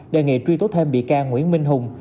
đề nghị truy tố thêm bị can nguyễn minh hùng